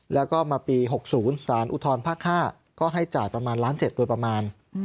แล้วก็มาปี๖๐สารอุทธรภาค๕ก็ให้จ่ายประมาณล้าน๗โดยประมาณ